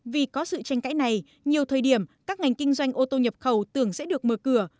vì có sự tranh cãi này nhiều thời điểm các ngành kinh doanh ô tô nhập khẩu tưởng sẽ được mở cửa